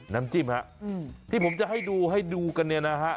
น้ำจิ้มฮะที่ผมจะให้ดูให้ดูกันเนี่ยนะฮะ